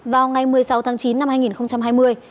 vào ngày một mươi sáu tháng chín năm hai nghìn hai mươi